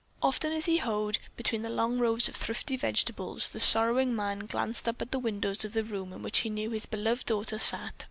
Often as he hoed between the long rows of thrifty vegetables, the sorrowing man glanced up at the windows of the room in which he knew his beloved daughter sat.